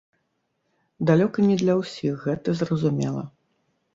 Далёка не для ўсіх гэта зразумела.